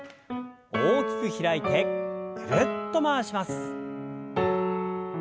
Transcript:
大きく開いてぐるっと回します。